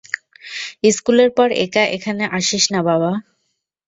স্কুলের পর একা এখানে আসিস না বাবা।